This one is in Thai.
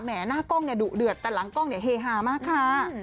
แหมหน้ากล้องดุเดือดแต่หลังกล้องเฮฮามากค่ะ